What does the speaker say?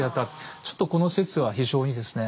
ちょっとこの説は非常にですね。